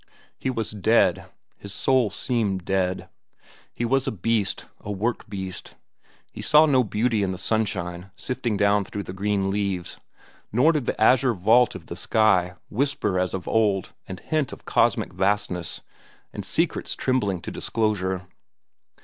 He was dead. His soul seemed dead. He was a beast, a work beast. He saw no beauty in the sunshine sifting down through the green leaves, nor did the azure vault of the sky whisper as of old and hint of cosmic vastness and secrets trembling to disclosure.